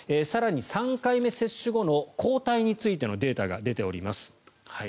更に３回目接種後の抗体についてのデータが出ています。